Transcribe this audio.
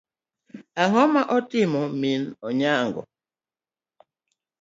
Ang'o motimo mim Onyango.